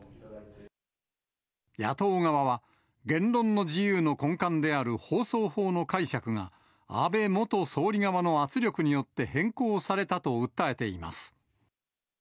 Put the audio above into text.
野党側は、言論の自由の根幹である放送法の解釈が、安倍元総理側の圧力によって変更されたと訴えています。